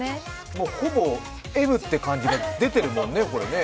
もうほぼＭって感じが出てるよね。